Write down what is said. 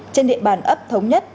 trên địa bàn ấp thống nhất